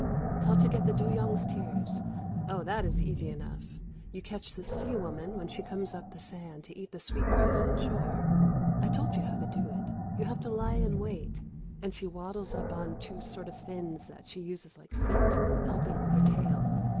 "How to get the dûyong's tears? Oh, that is easy enough. You catch the sea woman when she comes up the sand to eat the sweet grass on shore. I told you how to do it. You have to lie in wait and she waddles up on two sort of fins that she uses like feet, helping with her tail.